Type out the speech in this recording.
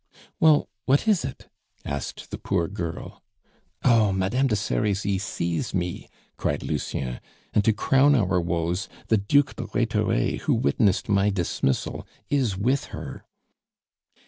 "Well, what is it?" asked the poor girl. "Oh! Madame de Serizy sees me!" cried Lucien, "and to crown our woes, the Duc de Rhetore, who witnessed my dismissal, is with her."